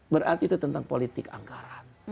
berarti itu tentang politik anggaran